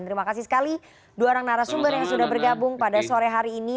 terima kasih sekali dua orang narasumber yang sudah bergabung pada sore hari ini